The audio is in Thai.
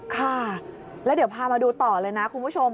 ค่ะแล้วเดี๋ยวพามาดูต่อเลยนะคุณผู้ชม